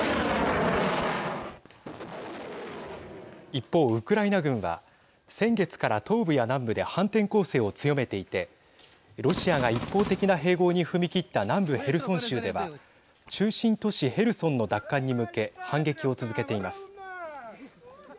一方、ウクライナ軍は先月から東部や南部で反転攻勢を強めていてロシアが一方的な併合に踏み切った南部ヘルソン州では中心都市ヘルソンの奪還に向け反撃を続けています。